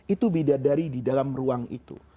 itu bidadari di dalam ruang itu